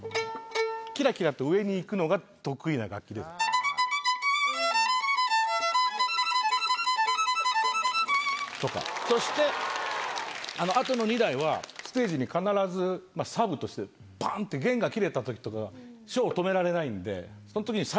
キラキラと上にいくのが得意な楽器です。とかそしてあとの２台はステージに必ずサブとしてパン！って弦が切れたときとかショーを止められないんでそのときにサブとして置いて。